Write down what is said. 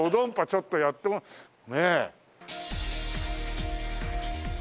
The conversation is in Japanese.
ちょっとやってねえ。